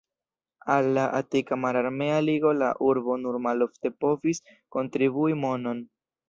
Al la Atika Mararmea Ligo la urbo nur malofte povis kontribui monon.